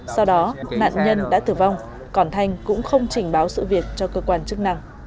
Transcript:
sau đó nạn nhân đã tử vong còn thanh cũng không trình báo sự việc cho cơ quan chức năng